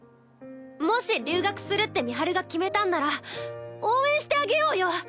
もし留学するって美晴が決めたんなら応援してあげようよ！